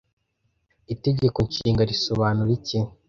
Itegeko Nshinga risobanura iki